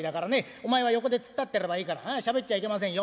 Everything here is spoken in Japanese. お前は横で突っ立ってればいいからああしゃべっちゃいけませんよ。